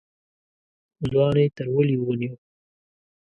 ځوان يې تر وليو ونيو.